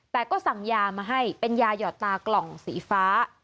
แต่ก็สั่งยามาให้เป็นยาหยอดตากล่องสีฟ้า